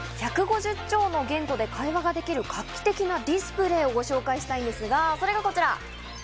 １５０超の言語で会話ができる画期的なディスプレーをご紹介したいんですが、それがこちら。